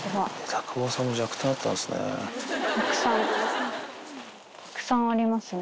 枝久保さんにも弱点があったんですね。